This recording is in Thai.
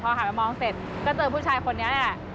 หันไปมองเสร็จก็เจอผู้ชายคนนี้แหละ